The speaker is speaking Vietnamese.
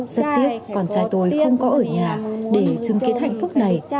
rất tiếc con trai tôi không có ở nhà để chứng kiến hạnh phúc này